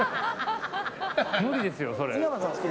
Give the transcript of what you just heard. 無理ですよ、それ。